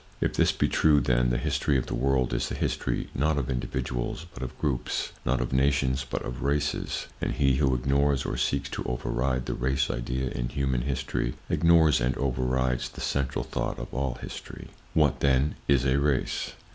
If this be true, then the history of the world is the history, not of individuals, but of groups, not of nations, but of races, and he who ignores or seeks to override the race idea in human history ignores and overrides the central thought of all history. What, then, is a race?